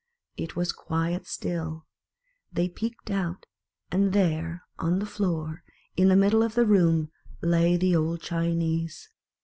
It was quite still ; they peeped out, and there, on the floor, in the middle of the room, lay the old Chinese.